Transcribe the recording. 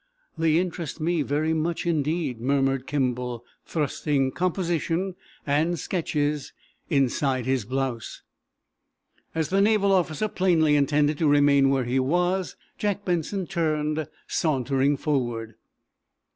"They interest me very much indeed," murmured Kimball, thrusting "composition" and sketches inside his blouse. As the naval officer plainly intended to remain where he was, Jack Benson turned, sauntering forward.